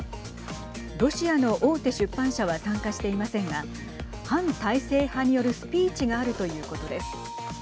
ロシアの大手出版社は参加していませんが反体制派によるスピーチがあるということです。